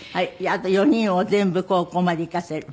あと４人を全部高校まで行かせる。